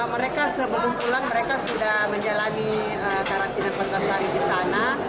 mereka sebelum pulang mereka sudah menjalani karantina empat belas hari di sana